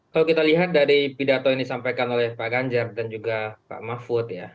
kalau kita lihat dari pidato yang disampaikan oleh pak ganjar dan juga pak mahfud ya